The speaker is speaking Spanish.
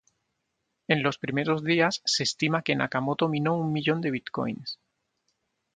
En los primeros días, se estima que Nakamoto minó un millón de bitcoins.